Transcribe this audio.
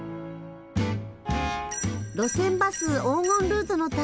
路線バス黄金ルートの旅。